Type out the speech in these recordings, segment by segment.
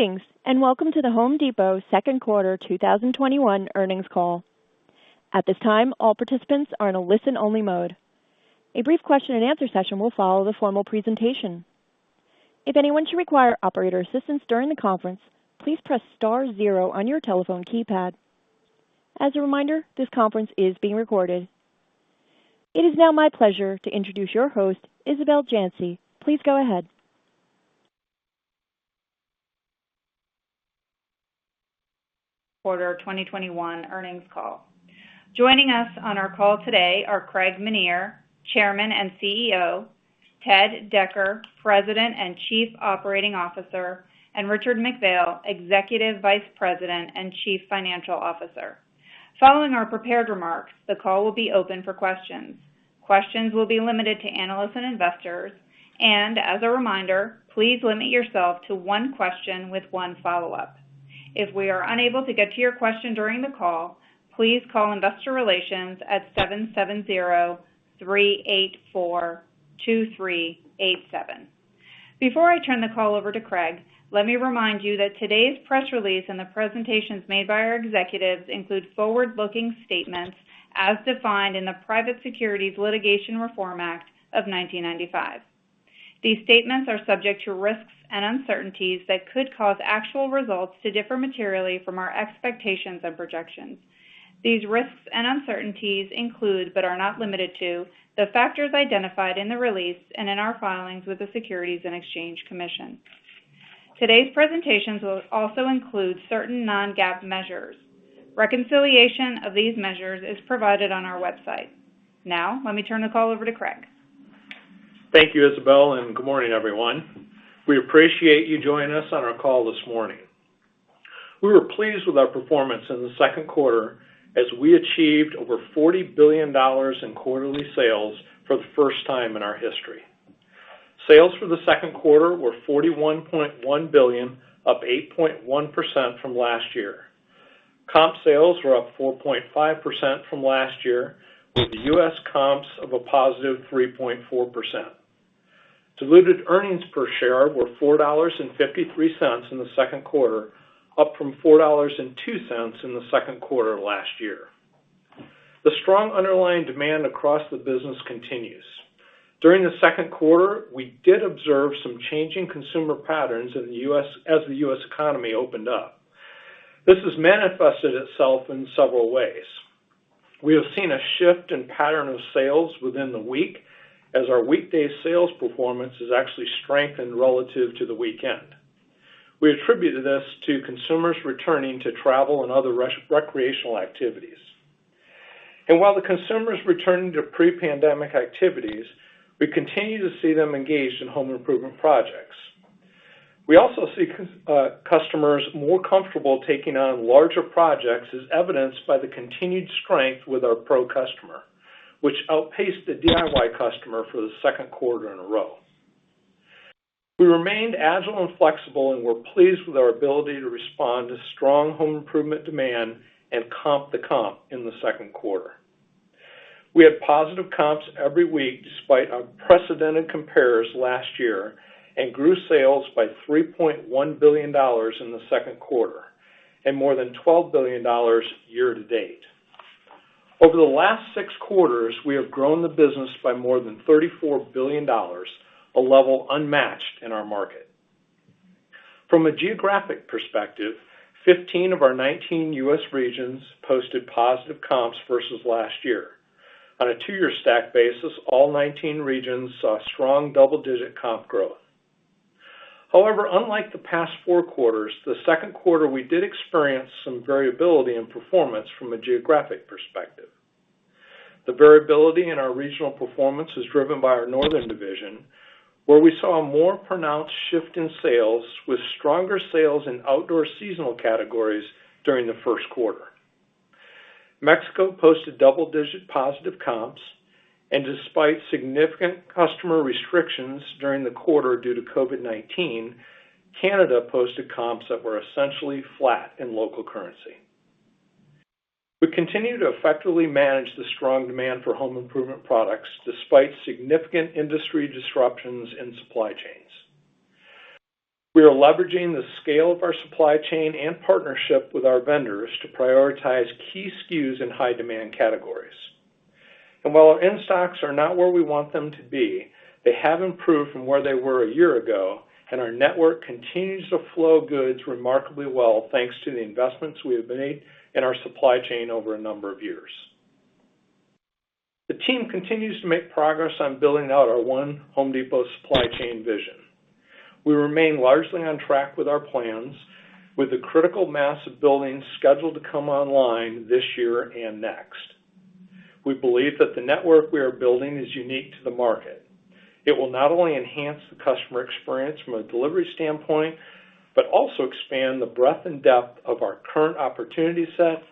Greetings, welcome to The Home Depot second quarter 2021 earnings call. At this time, all participants are in a listen-only mode. A brief question and answer session will follow the formal presentation. If anyone should require operator assistance during the conference, please press star zero on your telephone keypad. As a reminder, this conference is being recorded. It is now my pleasure to introduce your host, Isabel Janci. Please go ahead. Quarter 2021 earnings call. Joining us on our call today are Craig Menear, Chairman and CEO, Ted Decker, President and Chief Operating Officer, and Richard McPhail, Executive Vice President and Chief Financial Officer. Following our prepared remarks, the call will be open for questions. Questions will be limited to analysts and investors, and as a reminder, please limit yourself to one question with one follow-up. If we are unable to get to your question during the call, please call Investor Relations at 770-384-2387. Before I turn the call over to Craig, let me remind you that today's press release and the presentations made by our executives include forward-looking statements as defined in the Private Securities Litigation Reform Act of 1995. These statements are subject to risks and uncertainties that could cause actual results to differ materially from our expectations and projections. These risks and uncertainties include, but are not limited to, the factors identified in the release and in our filings with the Securities and Exchange Commission. Today's presentations will also include certain non-GAAP measures. Reconciliation of these measures is provided on our website. Now, let me turn the call over to Craig. Thank you, Isabel, and good morning, everyone. We appreciate you joining us on our call this morning. We were pleased with our performance in the second quarter, as we achieved over $40 billion in quarterly sales for the first time in our history. Sales for the second quarter were $41.1 billion, up 8.1% from last year. Comp sales were up 4.5% from last year, with the U.S. comps of a positive 3.4%. Diluted earnings per share were $4.53 in the second quarter, up from $4.02 in the second quarter of last year. The strong underlying demand across the business continues. During the second quarter, we did observe some changing consumer patterns as the U.S. economy opened up. This has manifested itself in several ways. We have seen a shift in pattern of sales within the week, as our weekday sales performance has actually strengthened relative to the weekend. We attribute this to consumers returning to travel and other recreational activities. While the consumers return to pre-pandemic activities, we continue to see them engaged in home improvement projects. We also see customers more comfortable taking on larger projects, as evidenced by the continued strength with our Pro customer, which outpaced the DIY customer for the second quarter in a row. We remained agile and flexible, and we're pleased with our ability to respond to strong home improvement demand and comp the comp in the second quarter. We had positive comps every week despite unprecedented compares last year, and grew sales by $3.1 billion in the second quarter, and more than $12 billion year-to-date. Over the last six quarters, we have grown the business by more than $34 billion, a level unmatched in our market. From a geographic perspective, 15 of our 19 U.S. regions posted positive comps versus last year. On a two-year stack basis, all 19 regions saw strong double-digit comp growth. Unlike the past four quarters, the 2nd quarter, we did experience some variability in performance from a geographic perspective. The variability in our regional performance is driven by our Northern Division, where we saw a more pronounced shift in sales with stronger sales in outdoor seasonal categories during the 1st quarter. Mexico posted double-digit positive comps, and despite significant customer restrictions during the quarter due to COVID-19, Canada posted comps that were essentially flat in local currency. We continue to effectively manage the strong demand for home improvement products despite significant industry disruptions in supply chains. We are leveraging the scale of our supply chain and partnership with our vendors to prioritize key SKUs in high-demand categories. While our in-stocks are not where we want them to be, they have improved from where they were a year ago, and our network continues to flow goods remarkably well, thanks to the investments we have made in our supply chain over a number of years. The team continues to make progress on building out our One Home Depot Supply Chain vision. We remain largely on track with our plans, with the critical mass of buildings scheduled to come online this year and next. We believe that the network we are building is unique to the market. It will not only enhance the customer experience from a delivery standpoint but also expand the breadth and depth of our current opportunity set,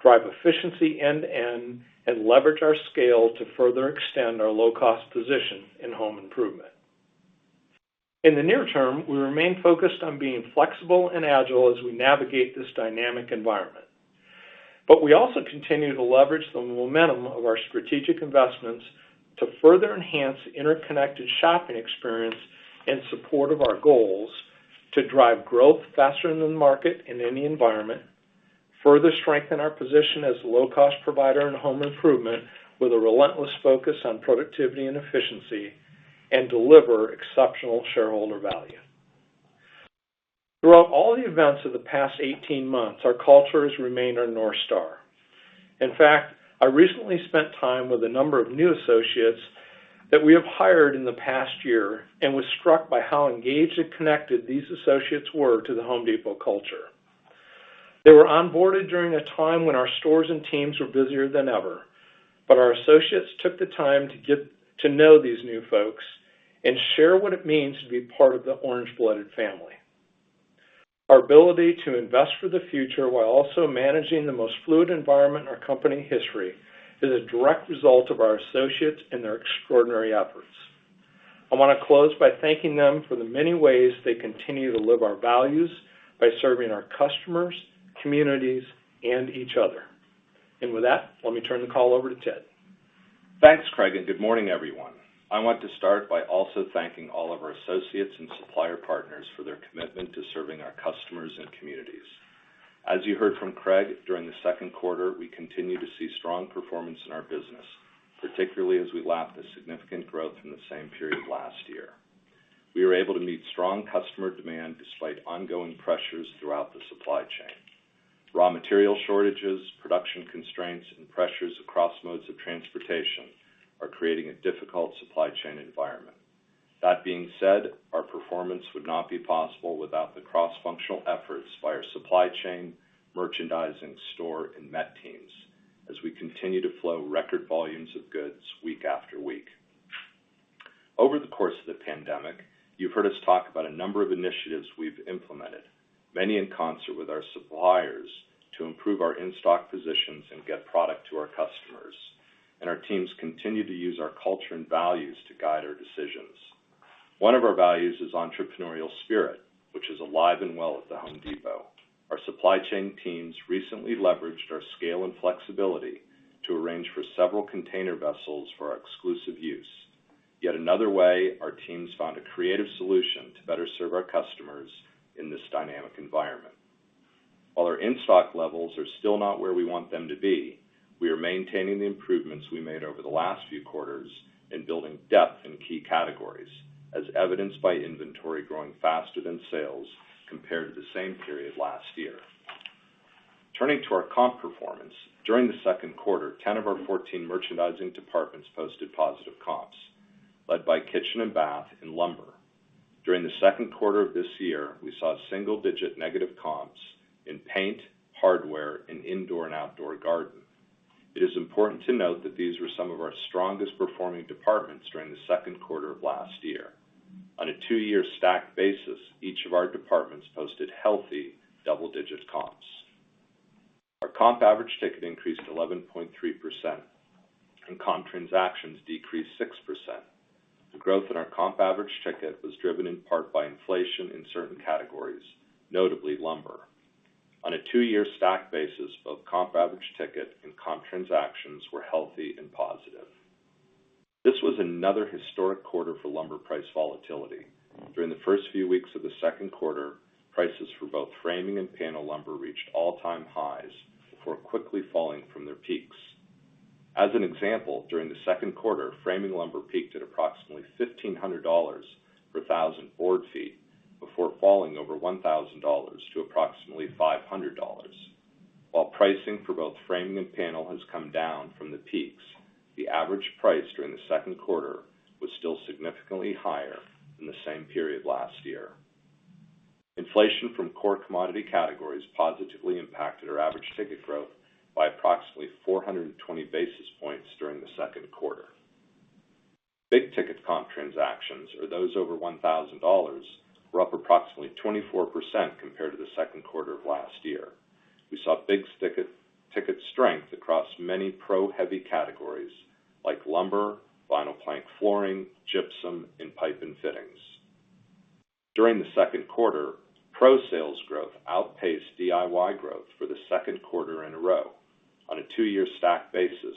drive efficiency end-to-end, and leverage our scale to further extend our low-cost position in home improvement. In the near term, we remain focused on being flexible and agile as we navigate this dynamic environment. We also continue to leverage the momentum of our strategic investments to further enhance interconnected shopping experience in support of our goals to drive growth faster than the market in any environment, further strengthen our position as a low-cost provider in home improvement with a relentless focus on productivity and efficiency, and deliver exceptional shareholder value. Throughout all the events of the past 18 months, our culture has remained our North Star. In fact, I recently spent time with a number of new associates that we have hired in the past year and was struck by how engaged and connected these associates were to The Home Depot culture. They were onboarded during a time when our stores and teams were busier than ever, but our associates took the time to get to know these new folks and share what it means to be part of the orange-blooded family. Our ability to invest for the future while also managing the most fluid environment in our company history is a direct result of our associates and their extraordinary efforts. I want to close by thanking them for the many ways they continue to live our values by serving our customers, communities, and each other. With that, let me turn the call over to Ted. Thanks, Craig. Good morning, everyone. I want to start by also thanking all of our associates and supplier partners for their commitment to serving our customers and communities. As you heard from Craig, during the second quarter, we continued to see strong performance in our business, particularly as we lapped the significant growth from the same period last year. We were able to meet strong customer demand despite ongoing pressures throughout the supply chain. Raw material shortages, production constraints, and pressures across modes of transportation are creating a difficult supply chain environment. That being said, our performance would not be possible without the cross-functional efforts by our supply chain, merchandising, store, and MET teams as we continue to flow record volumes of goods week after week. Over the course of the pandemic, you've heard us talk about a number of initiatives we've implemented, many in concert with our suppliers to improve our in-stock positions and get product to our customers. Our teams continue to use our culture and values to guide our decisions. One of our values is entrepreneurial spirit, which is alive and well at The Home Depot. Our supply chain teams recently leveraged our scale and flexibility to arrange for several container vessels for our exclusive use. Yet another way our teams found a creative solution to better serve our customers in this dynamic environment. While our in-stock levels are still not where we want them to be, we are maintaining the improvements we made over the last few quarters in building depth in key categories. As evidenced by inventory growing faster than sales compared to the same period last year. Turning to our comp performance, during the second quarter, 10 of our 14 Merchandising Departments posted positive comps, led by Kitchen and Bath, and Lumber. During the second quarter of this year, we saw single-digit negative comps in Paint, Hardware, and Indoor and Outdoor Garden. It is important to note that these were some of our strongest performing Departments during the second quarter of last year. On a two-year stacked basis, each of our Departments posted healthy double-digit comps. Our comp average ticket increased 11.3%, and comp transactions decreased 6%. The growth in our comp average ticket was driven in part by inflation in certain categories, notably Lumber. On a two-year stacked basis, both comp average ticket and comp transactions were healthy and positive. This was another historic quarter for Lumber price volatility. During the first few weeks of the second quarter, prices for both framing and panel lumber reached all-time highs before quickly falling from their peaks. As an example, during the second quarter, framing lumber peaked at approximately $1,500 per thousand board feet before falling over $1,000 to approximately $500. While pricing for both framing and panel has come down from the peaks, the average price during the second quarter was still significantly higher than the same period last year. Inflation from core commodity categories positively impacted our average ticket growth by approximately 420 basis points during the second quarter. Big ticket comp transactions, or those over $1,000, were up approximately 24% compared to the second quarter of last year. We saw big ticket strength across many pro heavy categories like lumber, vinyl plank flooring, gypsum, and pipe and fittings. During the second quarter, pro sales growth outpaced DIY growth for the second quarter in a row. On a two-year stacked basis,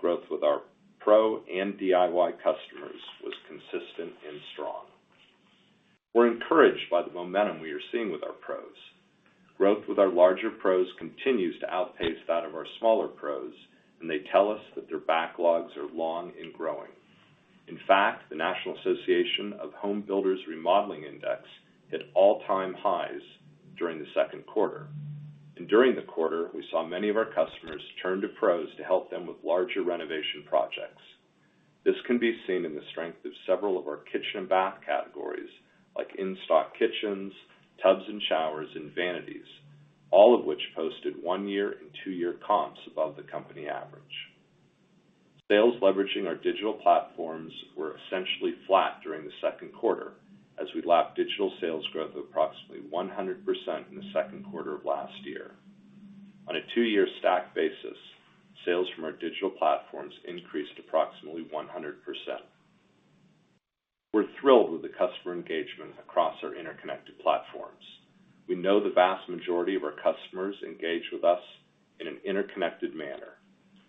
growth with our pro and DIY customers was consistent and strong. We're encouraged by the momentum we are seeing with our pros. Growth with our larger pros continues to outpace that of our smaller pros. They tell us that their backlogs are long and growing. In fact, the National Association of Home Builders remodeling index hit all-time highs during the second quarter. During the quarter, we saw many of our customers turn to pros to help them with larger renovation projects. This can be seen in the strength of several of our kitchen and bath categories, like in-stock kitchens, tubs and showers, and vanities, all of which posted one-year and two-year comps above the company average. Sales leveraging our digital platforms were essentially flat during the second quarter as we lapped digital sales growth of approximately 100% in the second quarter of last year. On a two-year stacked basis, sales from our digital platforms increased approximately 100%. We're thrilled with the customer engagement across our interconnected platforms. We know the vast majority of our customers engage with us in an interconnected manner.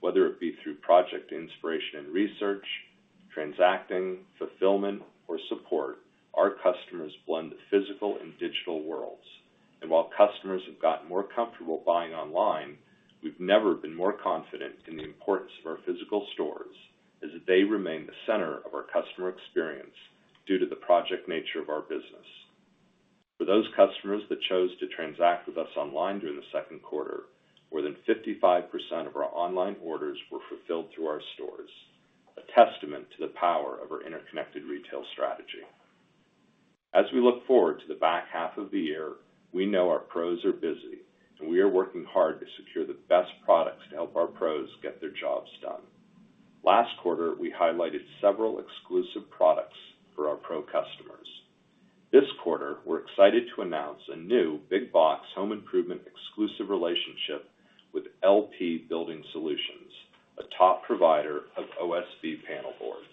Whether it be through project inspiration and research, transacting, fulfillment, or support, our customers blend the physical and digital worlds. While customers have gotten more comfortable buying online, we've never been more confident in the importance of our physical stores, as they remain the center of our customer experience due to the project nature of our business. For those customers that chose to transact with us online during the second quarter, more than 55% of our online orders were fulfilled through our stores, a testament to the power of our interconnected retail strategy. As we look forward to the back half of the year, we know our pros are busy, and we are working hard to secure the best products to help our pros get their jobs done. Last quarter, we highlighted several exclusive products for our pro customers. This quarter, we're excited to announce a new big box home improvement exclusive relationship with LP Building Solutions, a top provider of OSB panel boards.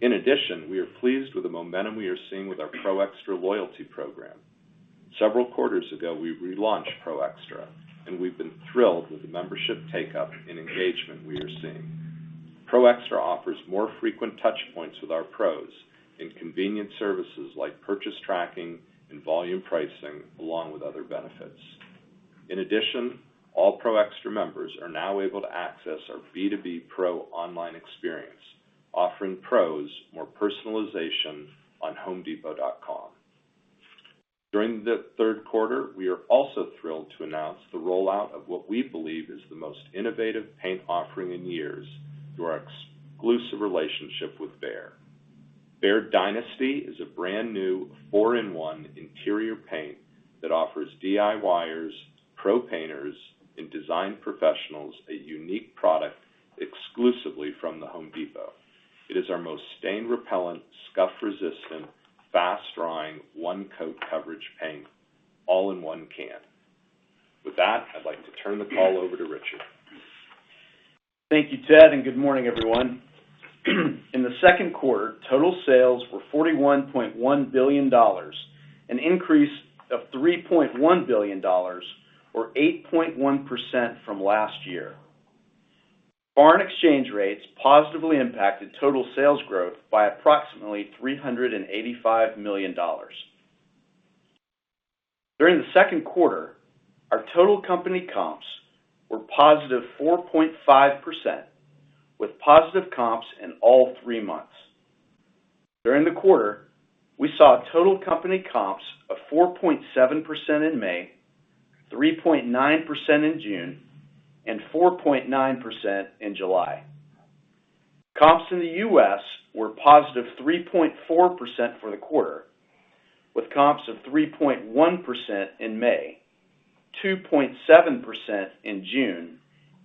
In addition, we are pleased with the momentum we are seeing with our Pro Xtra loyalty program. Several quarters ago, we relaunched Pro Xtra, and we've been thrilled with the membership take-up and engagement we are seeing. Pro Xtra offers more frequent touch points with our pros in convenient services like purchase tracking and volume pricing, along with other benefits. In addition, all Pro Xtra members are now able to access our B2B pro online experience, offering pros more personalization on homedepot.com. During the third quarter, we are also thrilled to announce the rollout of what we believe is the most innovative paint offering in years through our exclusive relationship with Behr. BEHR DYNASTY is a brand-new four-in-one interior paint that offers DIYers, pro painters, and design professionals a unique product exclusively from The Home Depot. It is our most stain repellent, scuff resistant, fast drying, one-coat coverage paint, all in one can. With that, I'd like to turn the call over to Richard. Thank you, Ted, and good morning, everyone. In the second quarter, total sales were $41.1 billion, an increase of $3.1 billion, or 8.1% from last year. Foreign exchange rates positively impacted total sales growth by approximately $385 million. During the second quarter, our total company comps were positive 4.5%, with positive comps in all three months. During the quarter, we saw total company comps of 4.7% in May, 3.9% in June, and 4.9% in July. Comps in the U.S. were positive 3.4% for the quarter, with comps of 3.1% in May, 2.7% in June,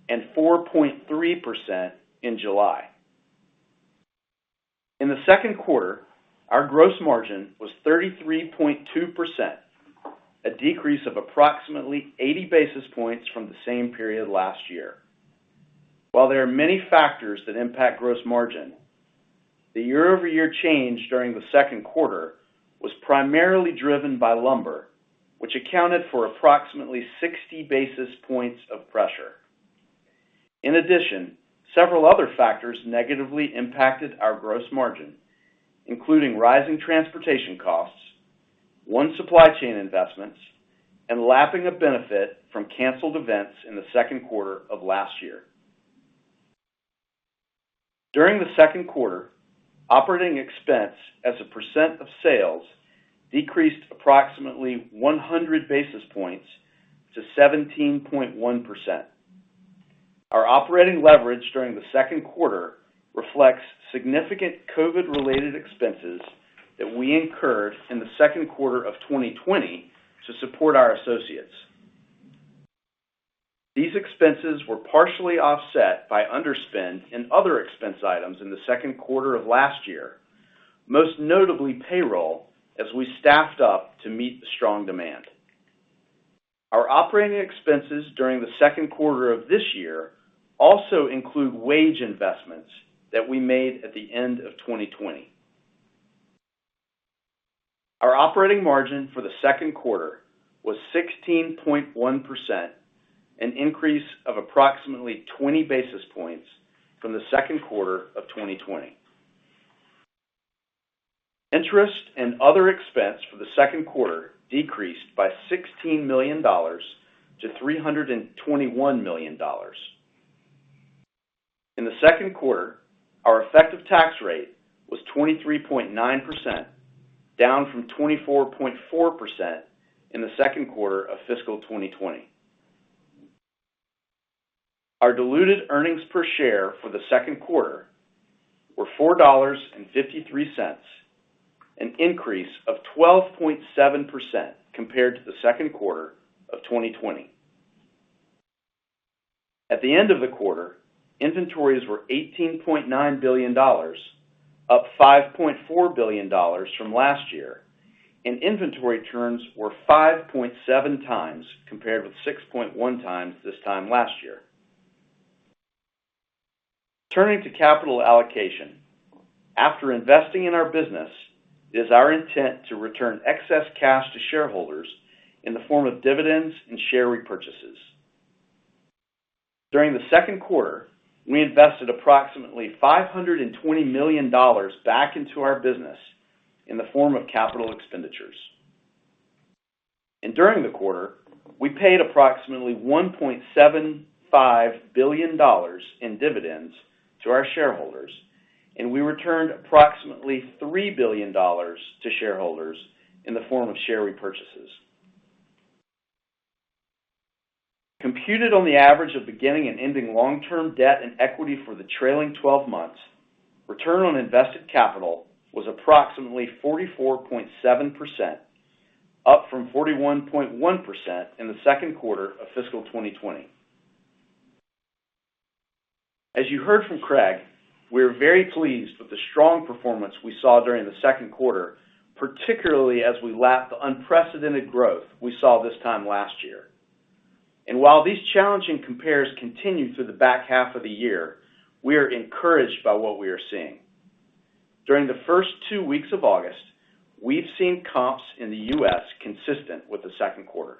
and 4.3% in July. In the second quarter, our gross margin was 33.2%, a decrease of approximately 80 basis points from the same period last year. While there are many factors that impact gross margin, the year-over-year change during the second quarter was primarily driven by lumber, which accounted for approximately 60 basis points of pressure. In addition, several other factors negatively impacted our gross margin, including rising transportation costs, One Supply Chain investments, and lapping a benefit from canceled events in the second quarter of last year. During the second quarter, operating expense as a % of sales decreased approximately 100 basis points to 17.1%. Our operating leverage during the second quarter reflects significant COVID-related expenses that we incurred in the second quarter of 2020 to support our associates. These expenses were partially offset by underspend and other expense items in the second quarter of last year, most notably payroll, as we staffed up to meet the strong demand. Our operating expenses during the second quarter of this year also include wage investments that we made at the end of 2020. Our operating margin for the second quarter was 16.1%, an increase of approximately 20 basis points from the second quarter of 2020. Interest and other expense for the second quarter decreased by $16 million to $321 million. In the second quarter, our effective tax rate was 23.9%, down from 24.4% in the second quarter of fiscal 2020. Our diluted earnings per share for the second quarter were $4.53, an increase of 12.7% compared to the second quarter of 2020. At the end of the quarter, inventories were $18.9 billion, up $5.4 billion from last year, and inventory turns were 5.7 times compared with 6.1 times this time last year. Turning to capital allocation. After investing in our business, it is our intent to return excess cash to shareholders in the form of dividends and share repurchases. During the second quarter, we invested approximately $520 million back into our business in the form of capital expenditures. During the quarter, we paid approximately $1.75 billion in dividends to our shareholders, and we returned approximately $3 billion to shareholders in the form of share repurchases. Computed on the average of beginning and ending long-term debt and equity for the trailing 12 months, return on invested capital was approximately 44.7%, up from 41.1% in the second quarter of fiscal 2020. As you heard from Craig, we are very pleased with the strong performance we saw during the second quarter, particularly as we lap the unprecedented growth we saw this time last year. While these challenging compares continue through the back half of the year, we are encouraged by what we are seeing. During the first two weeks of August, we've seen comps in the U.S. consistent with the second quarter.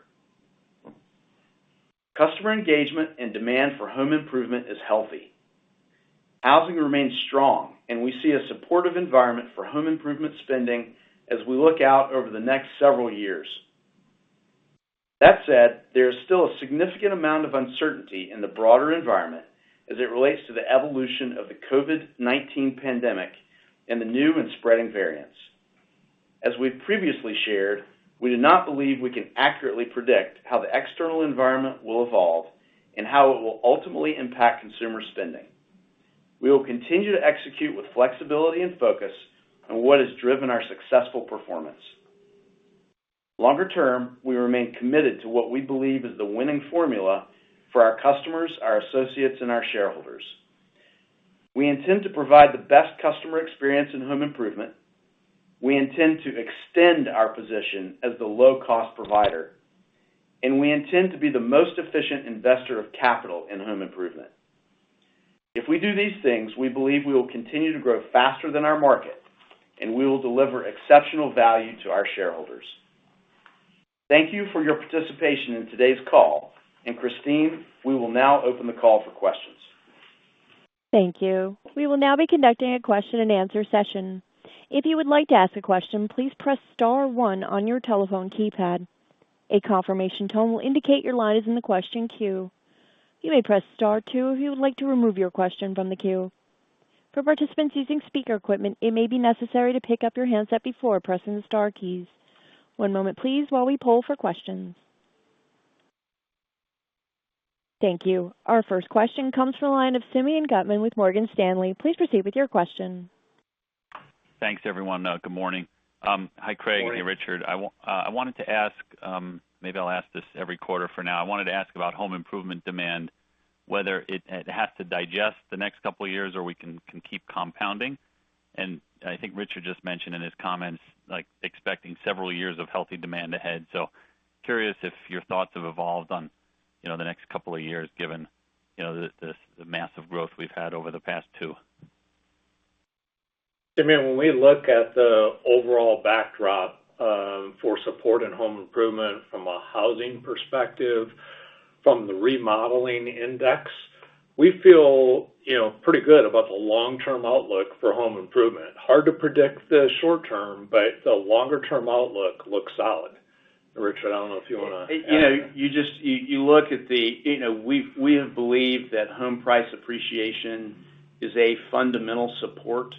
Customer engagement and demand for home improvement is healthy. Housing remains strong, and we see a supportive environment for home improvement spending as we look out over the next several years. That said, there is still a significant amount of uncertainty in the broader environment as it relates to the evolution of the COVID-19 pandemic and the new and spreading variants. As we've previously shared, we do not believe we can accurately predict how the external environment will evolve and how it will ultimately impact consumer spending. We will continue to execute with flexibility and focus on what has driven our successful performance. Longer term, we remain committed to what we believe is the winning formula for our customers, our associates, and our shareholders. We intend to provide the best customer experience in home improvement, we intend to extend our position as the low-cost provider, and we intend to be the most efficient investor of capital in home improvement. If we do these things, we believe we will continue to grow faster than our market, and we will deliver exceptional value to our shareholders. Thank you for your participation in today's call. Christine, we will now open the call for questions. Our first question comes from the line of Simeon Gutman with Morgan Stanley. Please proceed with your question. Thanks, everyone. Good morning. Morning. Hi, Craig. Hey, Richard. Maybe I'll ask this every quarter for now. I wanted to ask about home improvement demand, whether it has to digest the next couple of years, or we can keep compounding. I think Richard just mentioned in his comments, expecting several years of healthy demand ahead. Curious if your thoughts have evolved on the next couple of years, given the massive growth we've had over the past two. Simeon, when we look at the overall backdrop for support in home improvement from a housing perspective, from the remodeling index, we feel pretty good about the long-term outlook for home improvement. Hard to predict the short-term, but the longer-term outlook looks solid. Richard, I don't know if you want to add. We have believed that home price appreciation is a fundamental support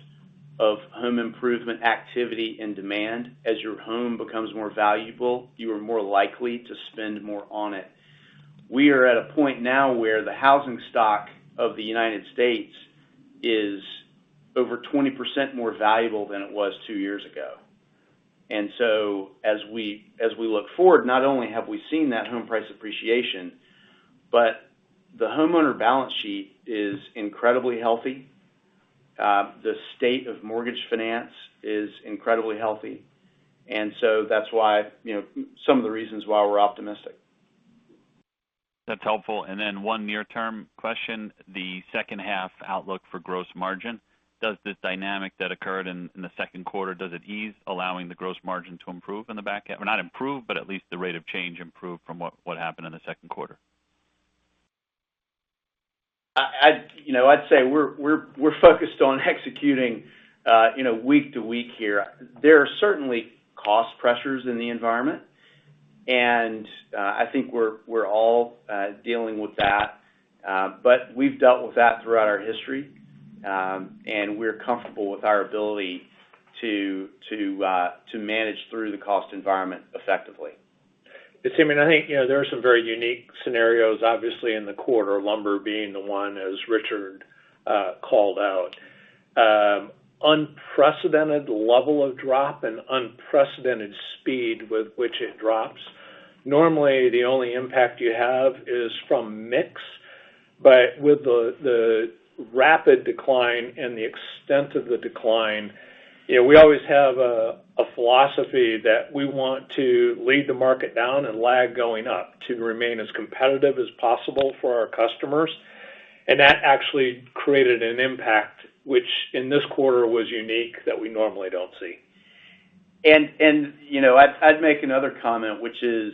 of home improvement activity and demand. As your home becomes more valuable, you are more likely to spend more on it. We are at a point now where the housing stock of the U.S. is over 20% more valuable than it was two years ago. As we look forward, not only have we seen that home price appreciation, but the homeowner balance sheet is incredibly healthy. The state of mortgage finance is incredibly healthy. That's some of the reasons why we're optimistic. That's helpful. One near-term question, the second half outlook for gross margin. Does this dynamic that occurred in the second quarter, does it ease, allowing the gross margin to improve in the back half? Not improve, but at least the rate of change improve from what happened in the second quarter? I'd say we're focused on executing week to week here. There are certainly cost pressures in the environment, and I think we're all dealing with that. We've dealt with that throughout our history, and we're comfortable with our ability to manage through the cost environment effectively. Simeon, I think there are some very unique scenarios, obviously, in the quarter, lumber being the one as Richard called out. Unprecedented level of drop and unprecedented speed with which it drops. Normally, the only impact you have is from mix, but with the rapid decline and the extent of the decline. We always have a philosophy that we want to lead the market down and lag going up to remain as competitive as possible for our customers. That actually created an impact, which in this quarter was unique, that we normally don't see. I'd make another comment, which is,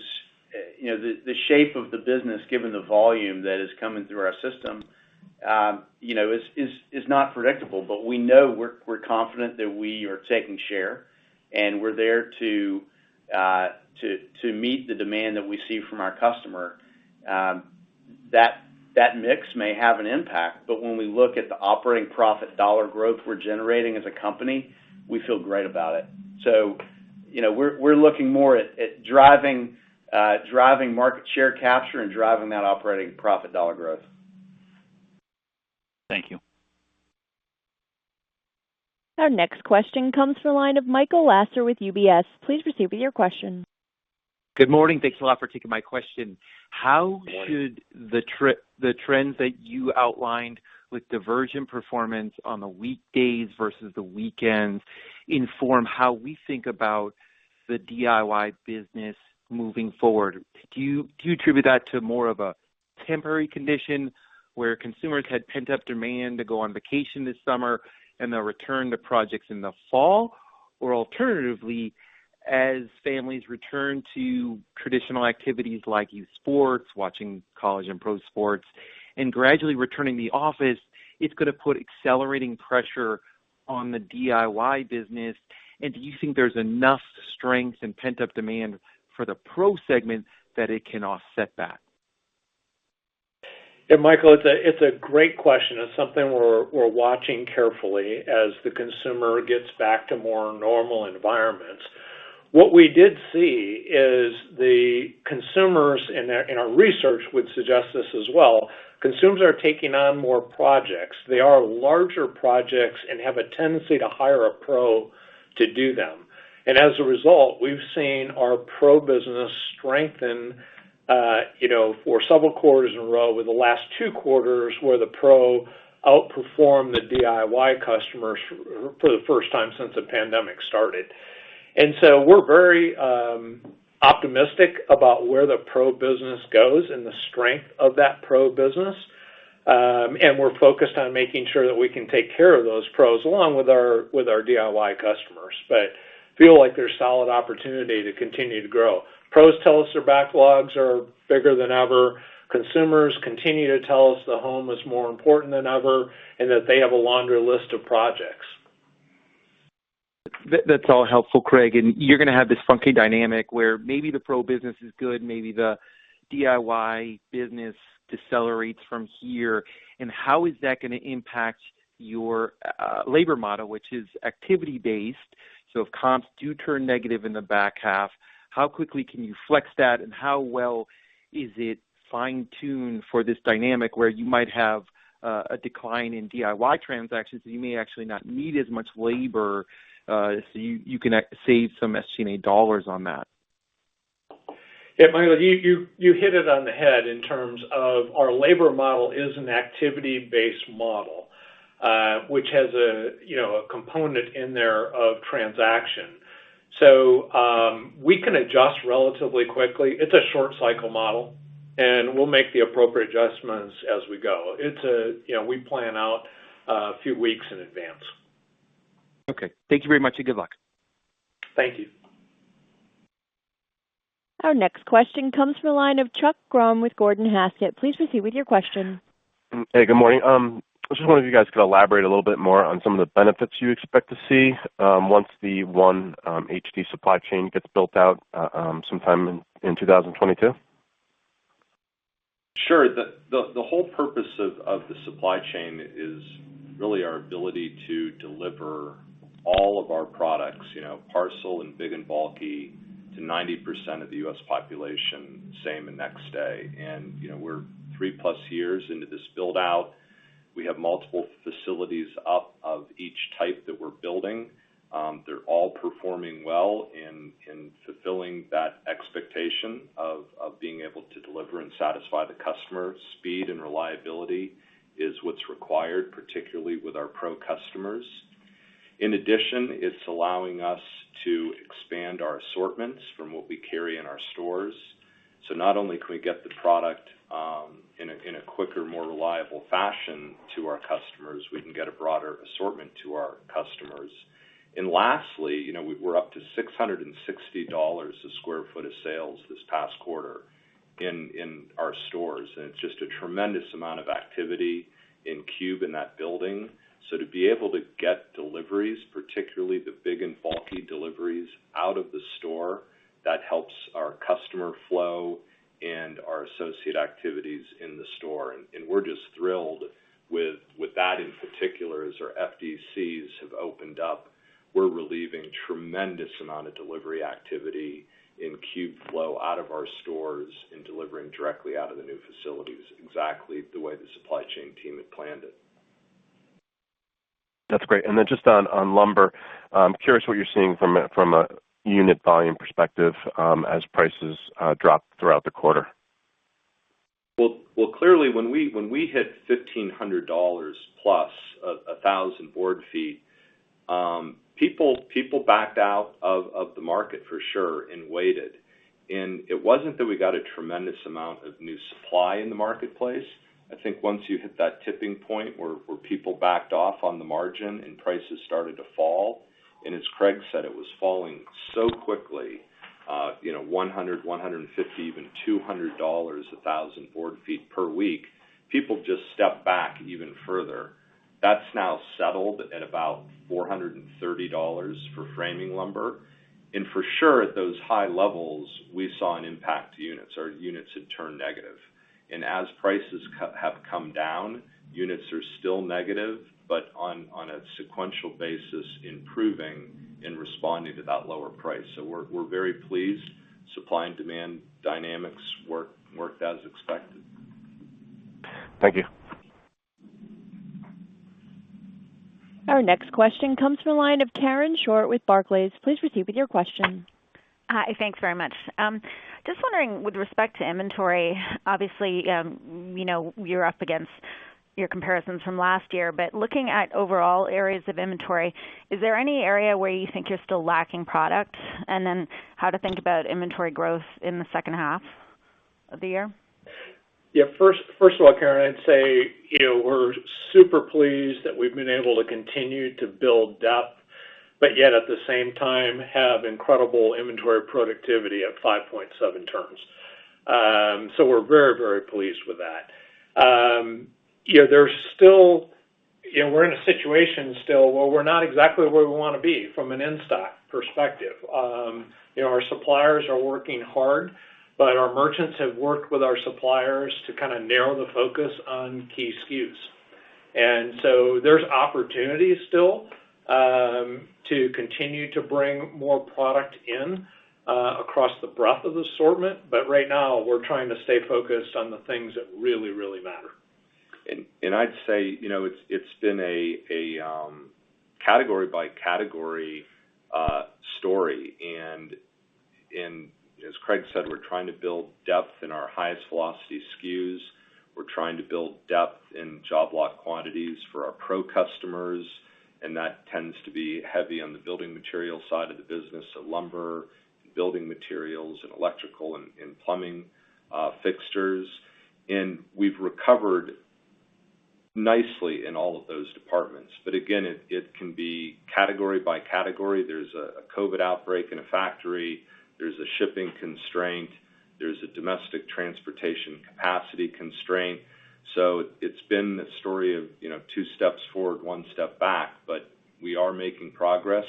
the shape of the business, given the volume that is coming through our system, is not predictable. We know, we're confident that we are taking share, and we're there to meet the demand that we see from our customer. That mix may have an impact, but when we look at the operating profit dollar growth we're generating as a company, we feel great about it. We're looking more at driving market share capture and driving that operating profit dollar growth. Thank you. Our next question comes from the line of Michael Lasser with UBS. Please proceed with your question. Good morning. Thanks a lot for taking my question. How should the trends that you outlined with divergent performance on the weekdays versus the weekends inform how we think about the DIY business moving forward? Do you attribute that to more of a temporary condition where consumers had pent-up demand to go on vacation this summer and they'll return to projects in the fall? Alternatively, as families return to traditional activities like youth sports, watching college and pro sports, and gradually returning to the office, it's going to put accelerating pressure on the DIY business. Do you think there's enough strength and pent-up demand for the pro segment that it can offset that? Yeah, Michael, it's a great question. It's something we're watching carefully as the consumer gets back to more normal environments. What we did see is the consumers, and our research would suggest this as well, consumers are taking on more projects. They are larger projects and have a tendency to hire a pro to do them. As a result, we've seen our pro business strengthen, for several quarters in a row, with the last two quarters where the pro outperformed the DIY customers for the first time since the pandemic started. We're very optimistic about where the pro business goes and the strength of that pro business. We're focused on making sure that we can take care of those pros along with our DIY customers. Feel like there's solid opportunity to continue to grow. Pros tell us their backlogs are bigger than ever. Consumers continue to tell us the home is more important than ever, and that they have a longer list of projects. That's all helpful, Craig. You're going to have this funky dynamic where maybe the pro business is good, maybe the DIY business decelerates from here. How is that going to impact your labor model, which is activity-based? If comps do turn negative in the back half, how quickly can you flex that, and how well is it fine-tuned for this dynamic where you might have a decline in DIY transactions, so you may actually not need as much labor, so you can save some SG&A dollars on that? Yeah, Michael, you hit it on the head in terms of our labor model is an activity-based model, which has a component in there of transaction. We can adjust relatively quickly. It's a short cycle model, and we'll make the appropriate adjustments as we go. We plan out a few weeks in advance. Okay. Thank you very much, and good luck. Thank you. Our next question comes from the line of Chuck Grom with Gordon Haskett. Please proceed with your question. Hey, good morning. I just wonder if you guys could elaborate a little bit more on some of the benefits you expect to see, once the One Supply Chain gets built out sometime in 2022? Sure. The whole purpose of the supply chain is really our ability to deliver all of our products, parcel and big and bulky to 90% of the U.S. population, same and next day. We're three-plus years into this build-out. We have multiple facilities up of each type that we're building. They're all performing well in fulfilling that expectation of being able to deliver and satisfy the customer. Speed and reliability is what's required, particularly with our pro customers. In addition, it's allowing us to expand our assortments from what we carry in our stores. Not only can we get the product, in a quicker, more reliable fashion to our customers, we can get a broader assortment to our customers. Lastly, we're up to $660 a square foot of sales this past quarter in our stores. It's just a tremendous amount of activity in cube in that building. To be able to get deliveries, particularly the big and bulky deliveries out of the store, that helps our customer flow and our associate activities in the store. We're just thrilled with that in particular. As our FDCs have opened up, we're relieving tremendous amount of delivery activity in cube flow out of our stores and delivering directly out of the new facilities exactly the way the supply chain team had planned it. That's great. Then just on lumber, I'm curious what you're seeing from a unit volume perspective as prices dropped throughout the quarter. Well, clearly, when we hit $1,500 per 1,000 board feet, people backed out of the market for sure and waited. It wasn't that we got a tremendous amount of new supply in the marketplace. I think once you hit that tipping point where people backed off on the margin and prices started to fall, and as Craig said, it was falling so quickly, $100, $150, even $200 a 1,000 board feet per week, people just stepped back even further. That's now settled at about $430 for framing lumber. For sure, at those high levels, we saw an impact to units. Our units had turned negative. As prices have come down, units are still negative, but on a sequential basis, improving and responding to that lower price. We're very pleased. Supply and demand dynamics worked as expected. Thank you. Our next question comes from the line of Karen Short with Barclays. Please proceed with your question. Hi, thanks very much. Just wondering with respect to inventory, obviously, you're up against your comparisons from last year, but looking at overall areas of inventory, is there any area where you think you're still lacking product? How to think about inventory growth in the second half of the year? First of all, Karen, I'd say we're super pleased that we've been able to continue to build depth, but yet at the same time, have incredible inventory productivity of 5.7 turns. We're very pleased with that. We're in a situation still where we're not exactly where we want to be from an in-stock perspective. Our suppliers are working hard, but our merchants have worked with our suppliers to kind of narrow the focus on key SKUs. There's opportunity still to continue to bring more product in across the breadth of the assortment. Right now, we're trying to stay focused on the things that really matter. I'd say, it's been a category by category story, and as Craig said, we're trying to build depth in our highest velocity SKUs. We're trying to build depth in job lot quantities for our Pro customers, and that tends to be heavy on the building material side of the business, so lumber, building materials, and electrical and plumbing fixtures. We've recovered nicely in all of those departments. Again, it can be category by category. There's a COVID outbreak in a factory. There's a shipping constraint. There's a domestic transportation capacity constraint. It's been a story of two steps forward, one step back. We are making progress,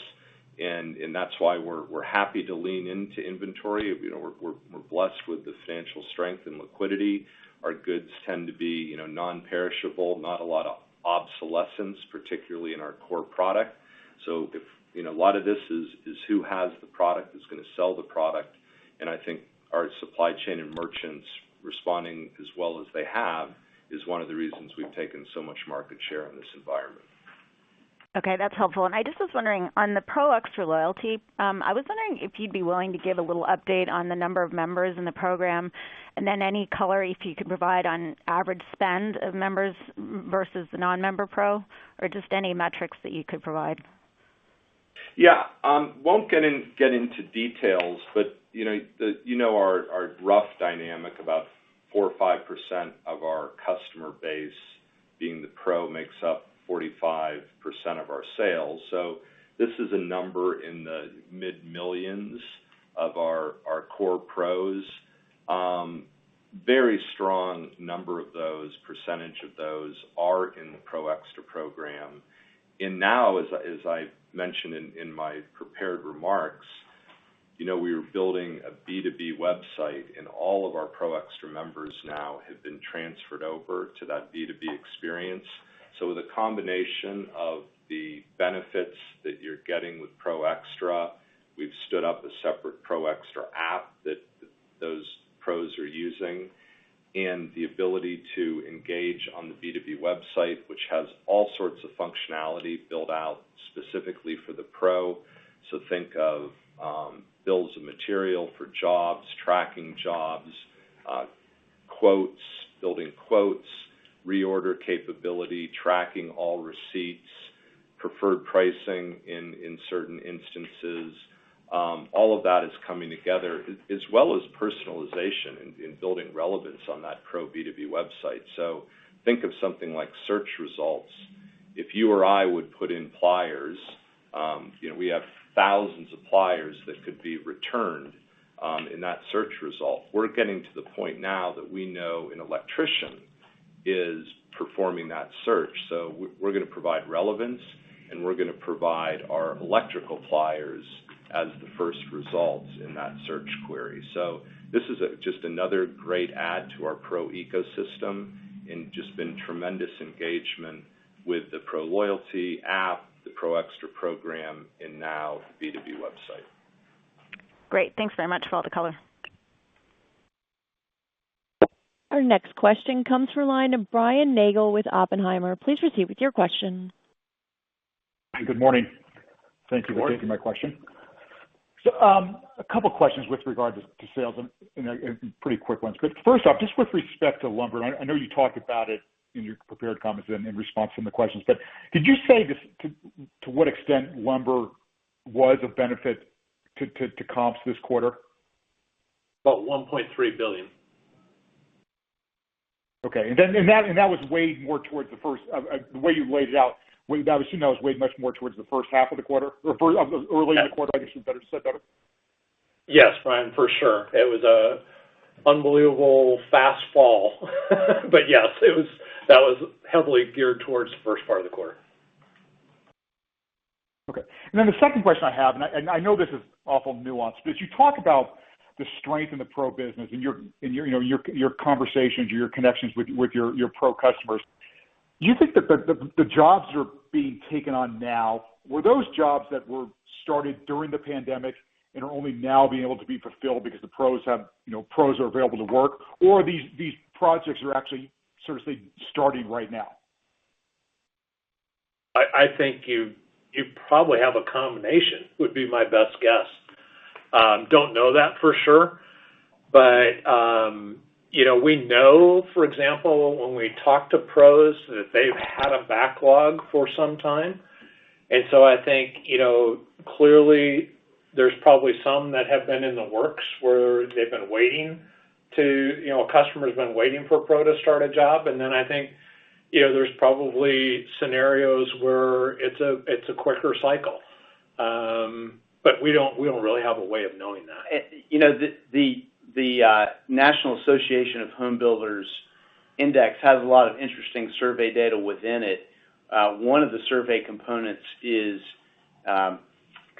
and that's why we're happy to lean into inventory. We're blessed with the financial strength and liquidity. Our goods tend to be non-perishable, not a lot of obsolescence, particularly in our core product. A lot of this is who has the product, who's going to sell the product, and I think our supply chain and merchants responding as well as they have is one of the reasons we've taken so much market share in this environment. Okay. That's helpful. I just was wondering, on the Pro Xtra loyalty, I was wondering if you'd be willing to give a little update on the number of members in the program, and then any color if you could provide on average spend of members versus the non-member pro, or just any metrics that you could provide. Yeah. Won't get into details, but you know our rough dynamic, about 4% or 5% of our customer base being the pro makes up 45% of our sales. This is a number in the mid-millions of our core pros. Very strong number of those, percentage of those are in the Pro Xtra program. Now, as I mentioned in my prepared remarks, we are building a B2B website, and all of our Pro Xtra members now have been transferred over to that B2B experience. The combination of the benefits that you're getting with Pro Xtra, we've stood up a separate Pro Xtra app that those pros are using, and the ability to engage on the B2B website, which has all sorts of functionality built out specifically for the pro. Think of bills of material for jobs, tracking jobs, quotes, building quotes, reorder capability, tracking all receipts, preferred pricing in certain instances. All of that is coming together, as well as personalization and building relevance on that pro B2B website. Think of something like search results. If you or I would put in "pliers," we have thousands of pliers that could be returned in that search result. We're getting to the point now that we know an electrician is performing that search. We're going to provide relevance, and we're going to provide our electrical pliers as the first results in that search query. This is just another great add to our pro ecosystem and just been tremendous engagement with the Pro loyalty app, the Pro Xtra program, and now the B2B website. Great. Thanks very much for all the color. Our next question comes from line of Brian Nagel with Oppenheimer. Please proceed with your question. Hey, good morning. Thank you for taking my question. Good morning. A couple questions with regard to sales and pretty quick ones. First off, just with respect to lumber, and I know you talked about it in your prepared comments and in response from the questions, but could you say to what extent lumber was of benefit to comps this quarter? About $1.3 billion. Okay. The way you laid it out, I assume that was weighed much more towards the first half of the quarter, or early in the quarter, I guess is better said. Yes, Brian, for sure. It was a unbelievable fast fall. Yes, that was heavily geared towards the first part of the quarter. Okay. The second question I have, and I know this is awful nuanced, you talk about the strength in the pro business, in your conversations or your connections with your pro customers. Do you think that the jobs that are being taken on now, were those jobs that were started during the pandemic and are only now being able to be fulfilled because the pros are available to work? Are these projects are actually seriously starting right now? I think you probably have a combination, would be my best guess. Don't know that for sure. We know, for example, when we talk to pros that they've had a backlog for some time. I think, clearly, there's probably some that have been in the works where a customer's been waiting for a pro to start a job. I think, there's probably scenarios where it's a quicker cycle. We don't really have a way of knowing that. The National Association of Home Builders index has a lot of interesting survey data within it. One of the survey components is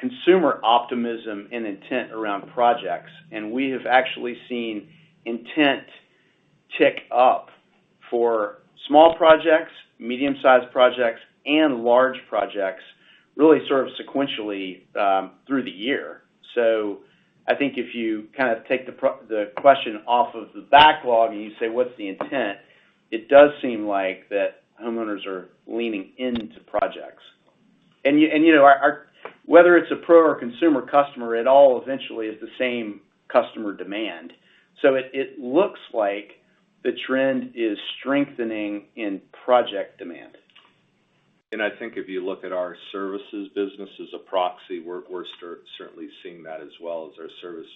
consumer optimism and intent around projects, we have actually seen intent tick up for small projects, medium-sized projects, and large projects really sort of sequentially through the year. I think if you kind of take the question off of the backlog and you say, what's the intent, it does seem like that homeowners are leaning into projects. Whether it's a pro or consumer customer, it all eventually is the same customer demand. It looks like the trend is strengthening in project demand. I think if you look at our services business as a proxy, we're certainly seeing that as well as our services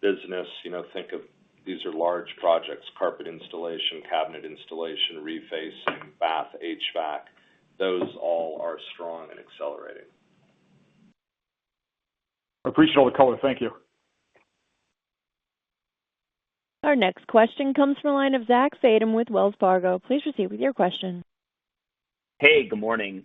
business. Think of these are large projects, carpet installation, cabinet installation, refacing, bath, HVAC. Those all are strong and accelerating. I appreciate all the color. Thank you. Our next question comes from the line of Zach Fadem with Wells Fargo. Please proceed with your question. Hey, good morning.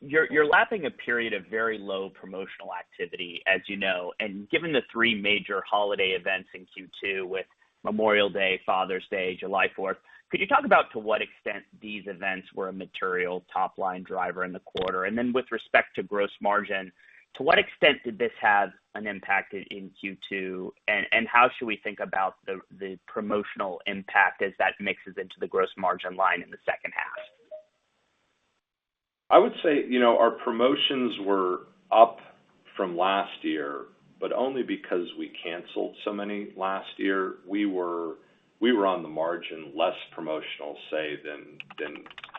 You're lapping a period of very low promotional activity, as you know, and given the three major holiday events in Q2 with Memorial Day, Father's Day, July 4th, could you talk about to what extent these events were a material top-line driver in the quarter? Then with respect to gross margin, to what extent did this have an impact in Q2, and how should we think about the promotional impact as that mixes into the gross margin line in the second half? I would say, our promotions were up from last year, only because we canceled so many last year. We were on the margin, less promotional, say, than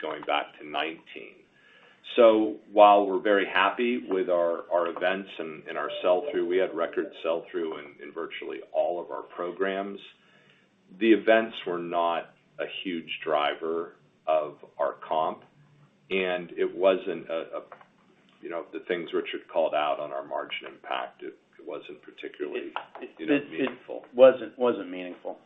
going back to 2019. While we're very happy with our events and our sell-through, we had record sell-through in virtually all of our programs. The events were not a huge driver of our comp, and the things Richard called out on our margin impact, it wasn't particularly meaningful. It wasn't meaningful.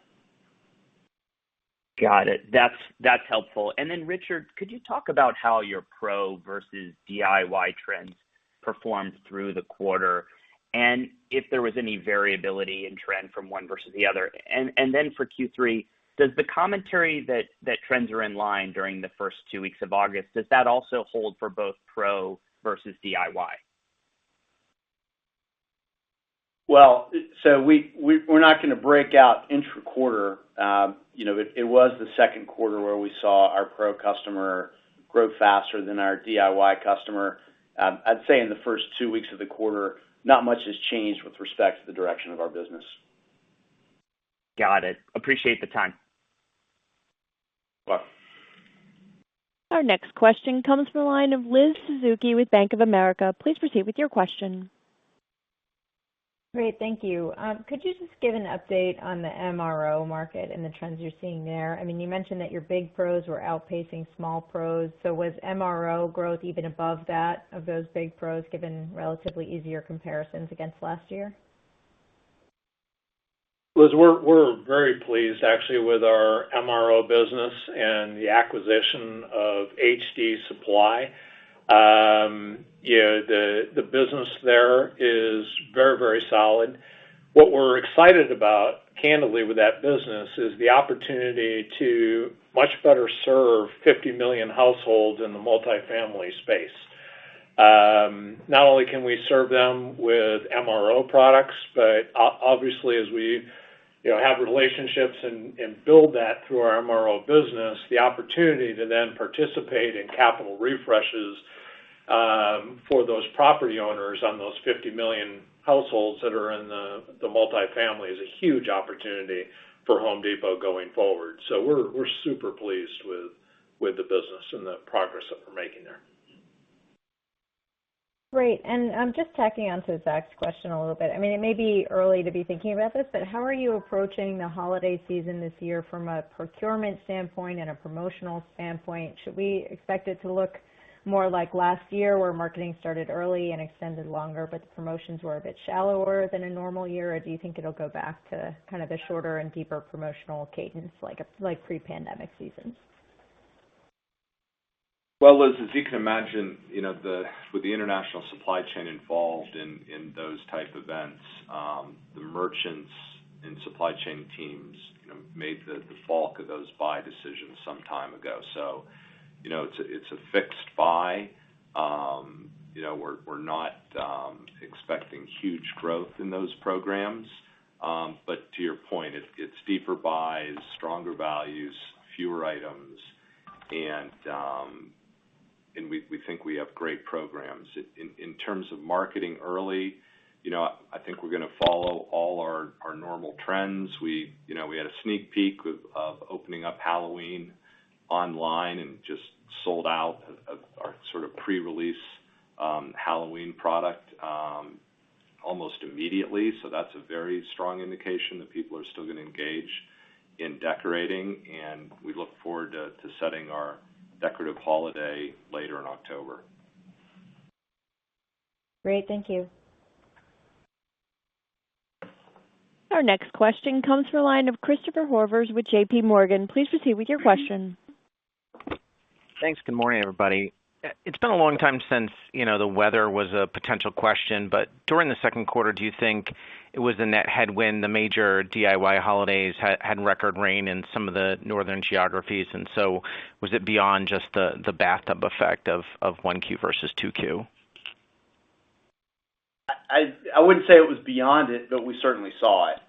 Got it. That's helpful. Richard, could you talk about how your pro versus DIY trends performed through the quarter, and if there was any variability in trend from one versus the other? For Q3, does the commentary that trends are in line during the first two weeks of August, does that also hold for both pro versus DIY? Well, we're not going to break out intra-quarter. It was the second quarter where we saw our Pro customer grow faster than our DIY customer. I'd say in the first two weeks of the quarter, not much has changed with respect to the direction of our business. Got it. Appreciate the time. Bye. Our next question comes from the line of Liz Suzuki with Bank of America. Please proceed with your question. Great. Thank you. Could you just give an update on the MRO market and the trends you're seeing there? You mentioned that your big pros were outpacing small pros, was MRO growth even above that of those big pros, given relatively easier comparisons against last year? Liz, we're very pleased, actually, with our MRO business and the acquisition of HD Supply. The business there is very solid. What we're excited about, candidly, with that business is the opportunity to. Much better serve 50 million households in the multi-family space. Not only can we serve them with MRO products, but obviously as we have relationships and build that through our MRO business, the opportunity to then participate in capital refreshes for those property owners on those 50 million households that are in the multi-family is a huge opportunity for The Home Depot going forward. We're super pleased with the business and the progress that we're making there. Great. Just tacking onto Zach's question a little bit, it may be early to be thinking about this, but how are you approaching the holiday season this year from a procurement standpoint and a promotional standpoint? Should we expect it to look more like last year, where marketing started early and extended longer, but the promotions were a bit shallower than a normal year? Do you think it'll go back to kind of the shorter and deeper promotional cadence, like pre-pandemic seasons? Well, Liz, as you can imagine with the international supply chain involved in those type events, the merchants and supply chain teams made the bulk of those buy decisions some time ago. It's a fixed buy. We're not expecting huge growth in those programs. To your point, it's deeper buys, stronger values, fewer items, and we think we have great programs. In terms of marketing early, I think we're going to follow all our normal trends. We had a sneak peek of opening up Halloween online and just sold out of our pre-release Halloween product almost immediately. That's a very strong indication that people are still going to engage in decorating, and we look forward to setting our decorative holiday later in October. Great. Thank you. Our next question comes from the line of Christopher Horvers with JPMorgan. Please proceed with your question. Thanks. Good morning, everybody. It's been a long time since the weather was a potential question, but during the second quarter, do you think it was a net headwind, the major DIY holidays had record rain in some of the northern geographies? Was it beyond just the bathtub effect of one Q versus two Q? I wouldn't say it was beyond it, but we certainly saw it.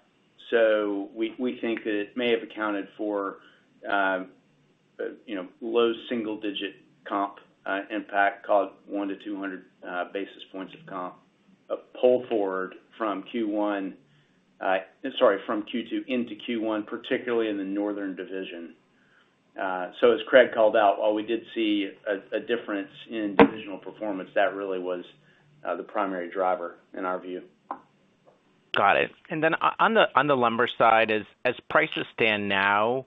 We think that it may have accounted for low single-digit comp impact, call it 1 to 200 basis points of comp, a pull forward from Q2 into Q1, particularly in the northern division. As Craig called out, while we did see a difference in divisional performance, that really was the primary driver in our view. Got it. On the lumber side, as prices stand now,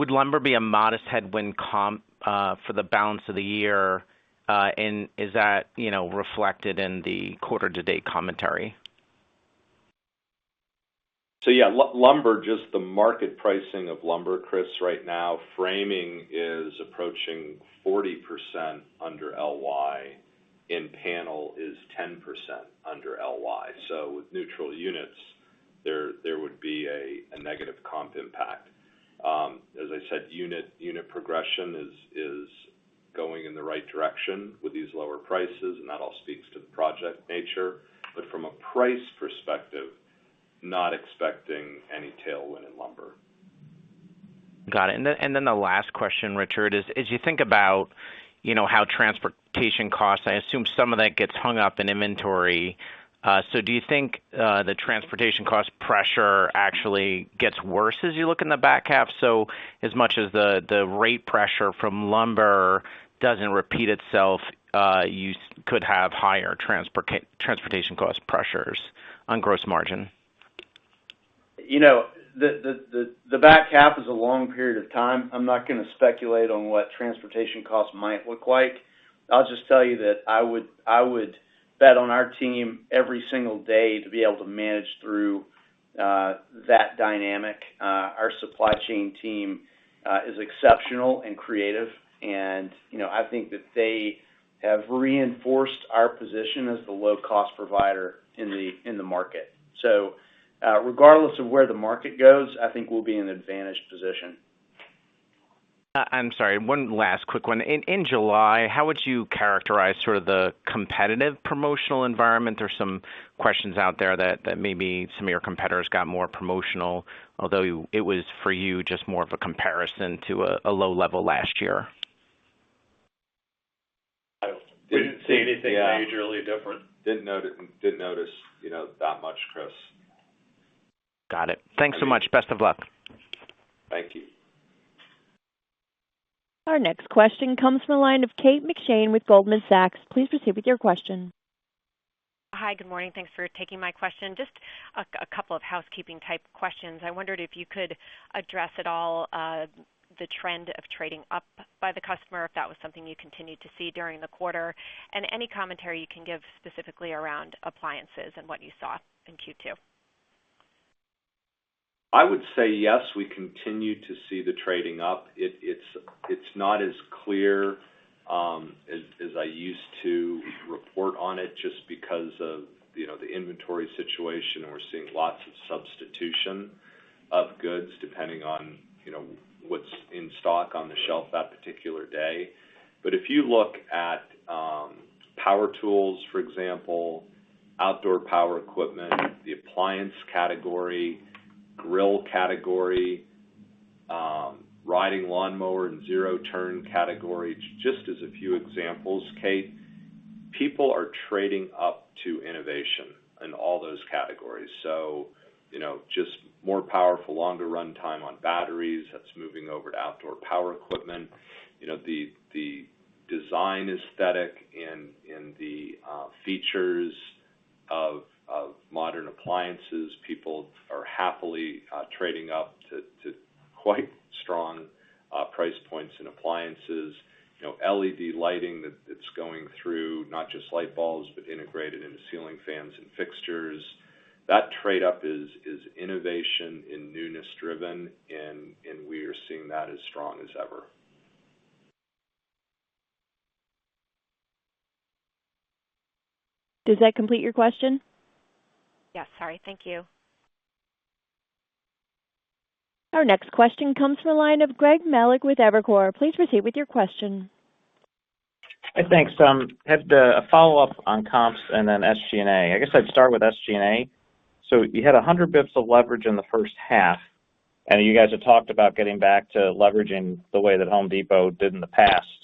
would lumber be a modest headwind comp for the balance of the year? Is that reflected in the quarter-to-date commentary? Yeah, lumber, just the market pricing of lumber, Chris, right now, framing is approaching 40% under LY, and panel is 10% under LY. With neutral units, there would be a negative comp impact. As I said, unit progression is going in the right direction with these lower prices, and that all speaks to the project nature. From a price perspective, not expecting any tailwind in lumber. Got it. The last question, Richard, is, as you think about how transportation costs, I assume some of that gets hung up in inventory. Do you think the transportation cost pressure actually gets worse as you look in the back half? As much as the rate pressure from lumber doesn't repeat itself, you could have higher transportation cost pressures on gross margin. The back half is a long period of time. I'm not going to speculate on what transportation costs might look like. I'll just tell you that I would bet on our team every single day to be able to manage through that dynamic. Our supply chain team is exceptional and creative, and I think that they have reinforced our position as the low-cost provider in the market. Regardless of where the market goes, I think we'll be in an advantaged position. I'm sorry, one last quick one. In July, how would you characterize sort of the competitive promotional environment? There's some questions out there that maybe some of your competitors got more promotional, although it was for you, just more of a comparison to a low level last year. We didn't see anything majorly different. Yeah. Didn't notice that much, Chris. Got it. Thanks so much. Best of luck. Thank you. Our next question comes from the line of Kate McShane with Goldman Sachs. Please proceed with your question. Hi. Good morning. Thanks for taking my question. Just a couple of housekeeping type questions. I wondered if you could address at all, the trend of trading up by the customer, if that was something you continued to see during the quarter? Any commentary you can give specifically around appliances and what you saw in Q2. I would say yes, we continue to see the trading up. It's not as clear as I used to report on it, just because of the inventory situation, and we're seeing lots of substitution of goods depending on what's in stock on the shelf that particular day. If you look at power tools, for example, outdoor power equipment, the appliance category, grill category, riding lawnmower and zero-turn category, just as a few examples, Kate McShane, people are trading up to innovation in all those categories. Just more powerful, longer runtime on batteries, that's moving over to outdoor power equipment. The design aesthetic and the features of modern appliances, people are happily trading up to quite strong price points in appliances. LED lighting that's going through, not just light bulbs, but integrated into ceiling fans and fixtures. That trade-up is innovation and newness-driven, and we are seeing that as strong as ever. Does that complete your question? Yes. Sorry. Thank you. Our next question comes from the line of Greg Melich with Evercore. Please proceed with your question. Thanks. Had a follow-up on comps and then SG&A. I guess I'd start with SG&A. You had 100 basis points of leverage in the first half, and you guys have talked about getting back to leveraging the way that The Home Depot did in the past.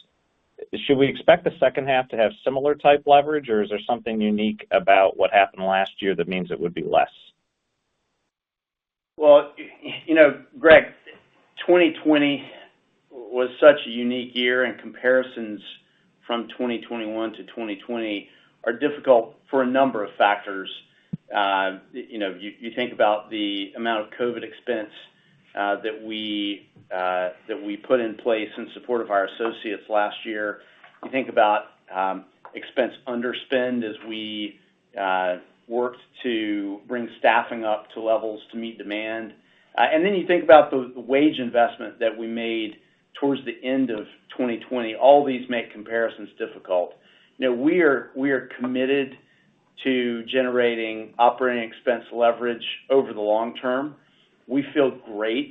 Should we expect the second half to have similar type leverage, or is there something unique about what happened last year that means it would be less? Well, Greg, 2020 was such a unique year, and comparisons from 2021 to 2020 are difficult for a number of factors. You think about the amount of COVID expense that we put in place in support of our associates last year. You think about expense underspend as we worked to bring staffing up to levels to meet demand. You think about the wage investment that we made towards the end of 2020. All these make comparisons difficult. We are committed to generating operating expense leverage over the long term. We feel great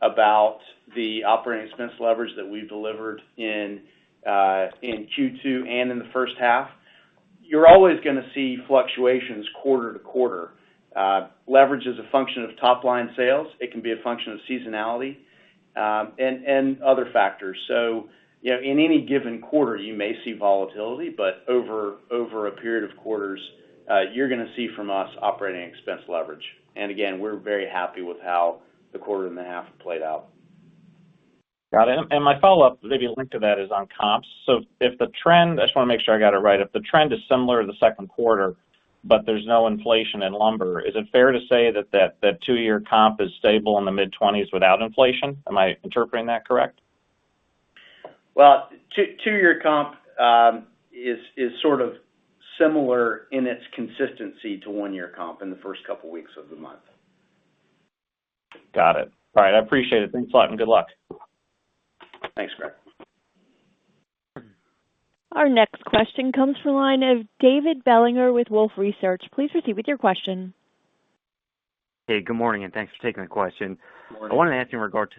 about the operating expense leverage that we delivered in Q2 and in the first half. You're always going to see fluctuations quarter to quarter. Leverage is a function of top-line sales. It can be a function of seasonality and other factors. In any given quarter, you may see volatility, but over a period of quarters, you're going to see from us operating expense leverage. Again, we're very happy with how the quarter and the half have played out. Got it. My follow-up, maybe a link to that, is on comps. I just want to make sure I got it right. If the trend is similar to the second quarter but there's no inflation in lumber, is it fair to say that that two-year comp is stable in the mid-20s without inflation? Am I interpreting that correct? Well, two-year comp is sort of similar in its consistency to one-year comp in the first couple of weeks of the month. Got it. All right. I appreciate it. Thanks a lot, and good luck. Thanks, Greg. Our next question comes from the line of David Bellinger with Wolfe Research. Please proceed with your question. Hey, good morning, and thanks for taking the question. Good morning. I wanted to ask in regard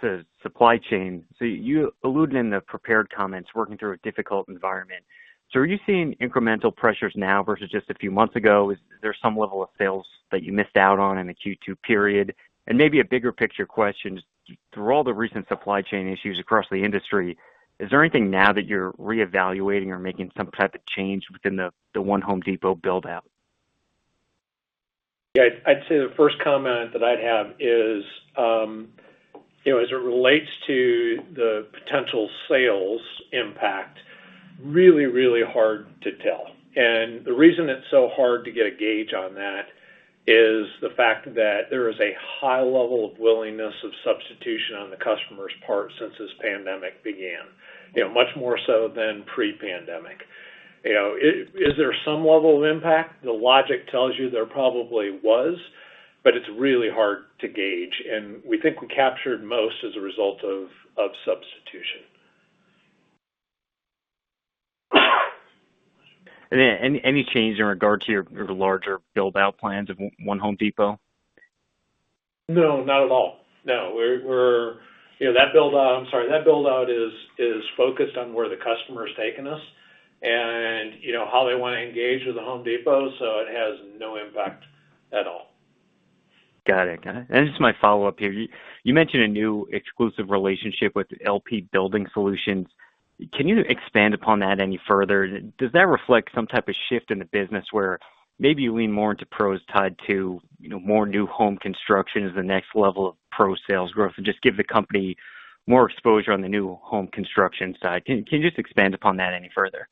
to supply chain. You alluded in the prepared comments, working through a difficult environment. Are you seeing incremental pressures now versus just a few months ago? Is there some level of sales that you missed out on in the Q2 period? Maybe a bigger picture question, through all the recent supply chain issues across the industry, is there anything now that you're reevaluating or making some type of change within the One Home Depot build-out? Yeah. I'd say the first comment that I'd have is, as it relates to the potential sales impact, really hard to tell. The reason it's so hard to get a gauge on that is the fact that there is a high level of willingness of substitution on the customer's part since this pandemic began, much more so than pre-pandemic. Is there some level of impact? The logic tells you there probably was, but it's really hard to gauge, and we think we captured most as a result of substitution. Any change in regard to your larger build-out plans of One Home Depot? No, not at all. No. That build-out is focused on where the customer is taking us and how they want to engage with The Home Depot. It has no impact at all. Got it. This is my follow-up here. You mentioned a new exclusive relationship with LP Building Solutions. Can you expand upon that any further? Does that reflect some type of shift in the business where maybe you lean more into pros tied to more new home construction as the next level of pro sales growth and just give the company more exposure on the new home construction side? Can you just expand upon that any further?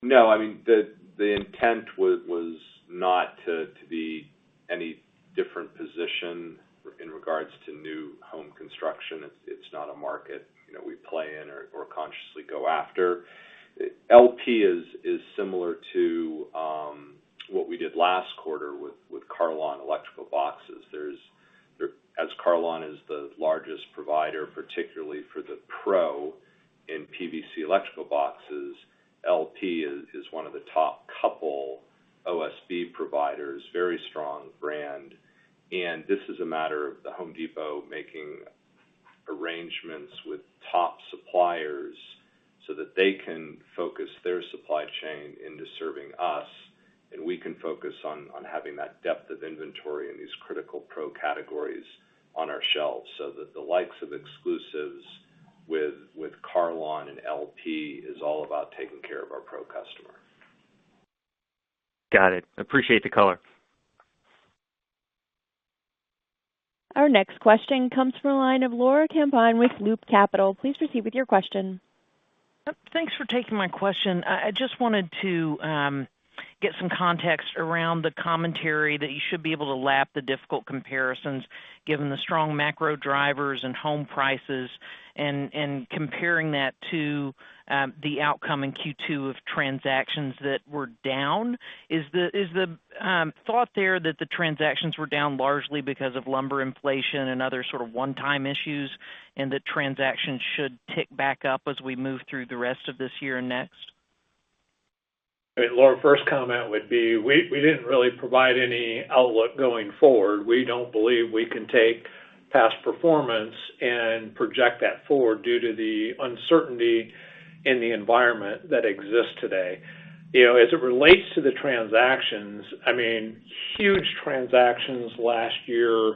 No, the intent was not to be any different position in regards to new home construction. It's not a market we play in or consciously go after. LP is similar to what we did last quarter with Carlon electrical boxes. Carlon is the largest provider, particularly for the pro in PVC electrical boxes. LP is one of the top couple OSB providers, very strong brand. This is a matter of The Home Depot making arrangements with top suppliers so that they can focus their supply chain into serving us, and we can focus on having that depth of inventory in these critical pro categories on our shelves. That the likes of exclusives with Carlon and LP is all about taking care of our pro customer. Got it. Appreciate the color. Our next question comes from the line of Laura Champine with Loop Capital. Please proceed with your question. Thanks for taking my question. I just wanted to get some context around the commentary that you should be able to lap the difficult comparisons given the strong macro drivers and home prices and comparing that to the outcome in Q2 of transactions that were down. Is the thought there that the transactions were down largely because of lumber inflation and other sort of one-time issues, and that transactions should tick back up as we move through the rest of this year and next? Laura, first comment would be, we didn't really provide any outlook going forward. We don't believe we can take past performance and project that forward due to the uncertainty in the environment that exists today. As it relates to the transactions, huge transactions last year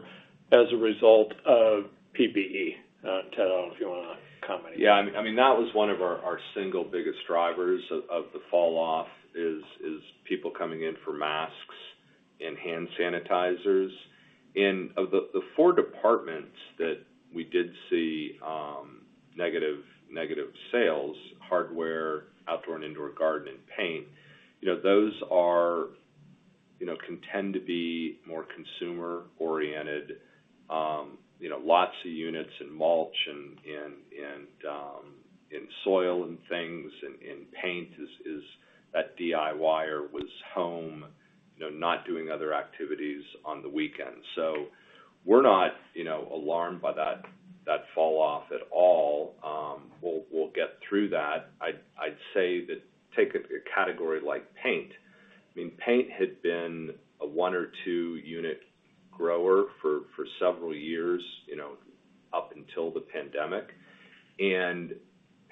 as a result of PPE. Ted, I don't know if you want to comment. Yeah. That was one of our single biggest drivers of the fall-off, is people coming in for masks and hand sanitizers. Of the 4 departments that we did see negative sales, hardware, outdoor and indoor garden, and paint, those can tend to be more consumer-oriented. Lots of units in mulch and in soil and things, and paint is that DIY-er was home, not doing other activities on the weekend. We're not alarmed by that fall-off at all. We'll get through that. I'd say that take a category like paint. Paint had been a one or two-unit grower for several years up until the pandemic.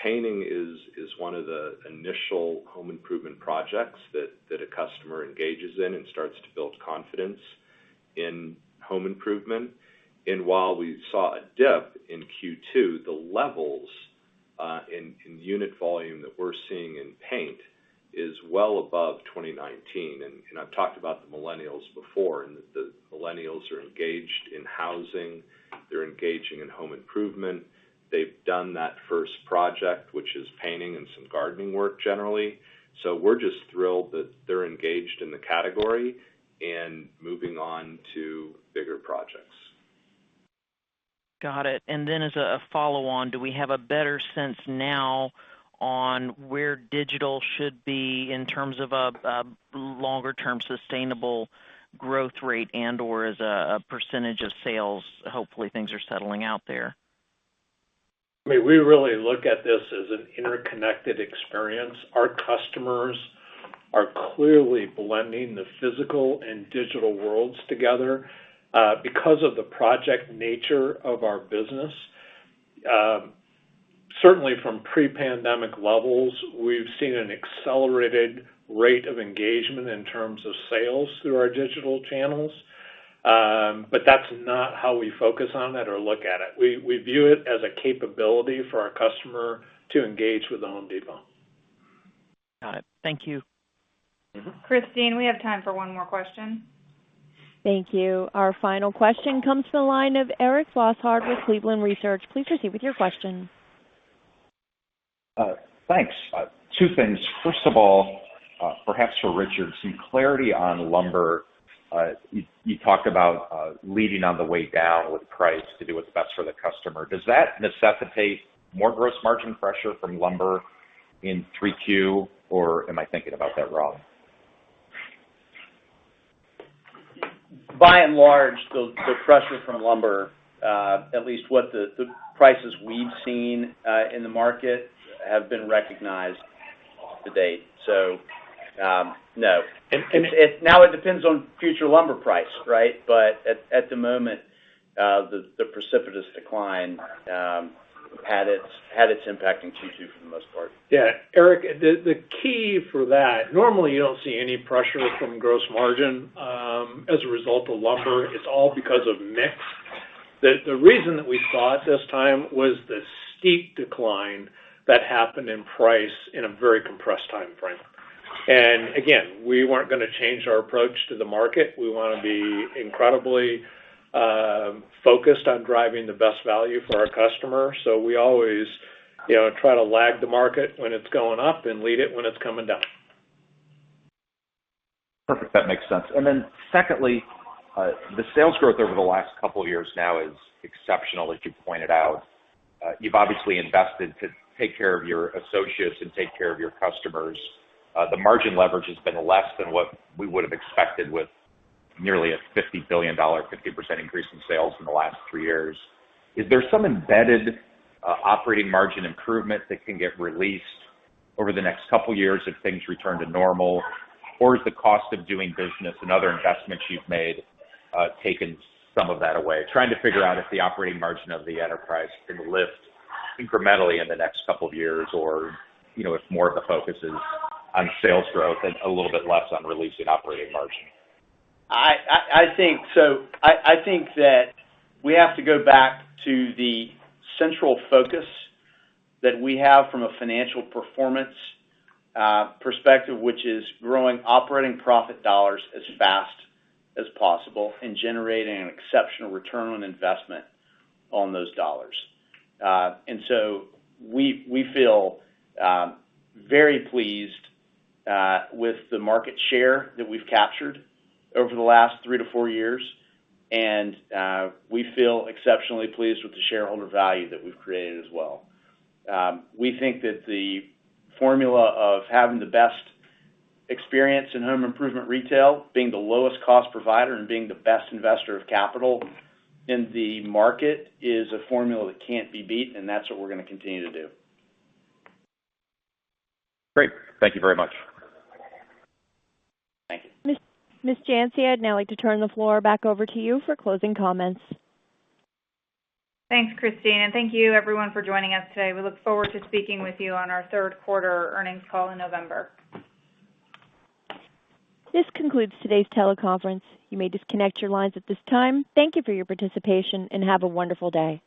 Painting is one of the initial home improvement projects that a customer engages in and starts to build confidence in home improvement. While we saw a dip in Q2, the levels in unit volume that we're seeing in paint is well above 2019. I've talked about the millennials before, and the millennials are engaged in housing. They're engaging in home improvement. They've done that first project, which is painting and some gardening work generally. We're just thrilled that they're engaged in the category and moving on to bigger projects. Got it. As a follow-on, do we have a better sense now on where digital should be in terms of a longer-term sustainable growth rate and/or as a percentage of sales? Hopefully, things are settling out there. We really look at this as an interconnected experience. Our customers are clearly blending the physical and digital worlds together. Because of the project nature of our business, certainly from pre-pandemic levels, we've seen an accelerated rate of engagement in terms of sales through our digital channels. That's not how we focus on it or look at it. We view it as a capability for our customer to engage with The Home Depot. Got it. Thank you. Christine, we have time for one more question. Thank you. Our final question comes from the line of Eric Bosshard with Cleveland Research. Please proceed with your question. Thanks. Two things. First of all, perhaps for Richard, some clarity on lumber. You talked about leading on the way down with price to do what's best for the customer. Does that necessitate more gross margin pressure from lumber in 3Q, or am I thinking about that wrong? By and large, the pressure from lumber, at least what the prices we've seen in the market, have been recognized to date. No. Now it depends on future lumber price. At the moment, the precipitous decline had its impact in Q2 for the most part. Yeah. Eric, the key for that, normally you don't see any pressure from gross margin as a result of lumber. It's all because of mix. The reason that we saw it this time was the steep decline that happened in price in a very compressed timeframe. Again, we weren't going to change our approach to the market. We want to be incredibly focused on driving the best value for our customer. We always try to lag the market when it's going up and lead it when it's coming down. Perfect. That makes sense. Secondly, the sales growth over the last couple of years now is exceptional, as you pointed out. You've obviously invested to take care of your associates and take care of your customers. The margin leverage has been less than what we would have expected with nearly a $50 billion, 50% increase in sales in the last three years. Is there some embedded operating margin improvement that can get released over the next couple of years if things return to normal? Has the cost of doing business and other investments you've made taken some of that away? Trying to figure out if the operating margin of the enterprise can lift incrementally in the next couple of years, or if more of the focus is on sales growth and a little bit less on releasing operating margin. I think that we have to go back to the central focus that we have from a financial performance perspective, which is growing operating profit dollars as fast as possible and generating an exceptional ROI on those dollars. We feel very pleased with the market share that we've captured over the last three to four years, and we feel exceptionally pleased with the shareholder value that we've created as well. We think that the formula of having the best experience in home improvement retail, being the lowest cost provider, and being the best investor of capital in the market is a formula that can't be beat, and that's what we're going to continue to do. Great. Thank you very much. Thank you. Ms. Janci, I'd now like to turn the floor back over to you for closing comments. Thanks, Christine. Thank you, everyone, for joining us today. We look forward to speaking with you on our third quarter earnings call in November. This concludes today's teleconference. You may disconnect your lines at this time. Thank you for your participation, and have a wonderful day.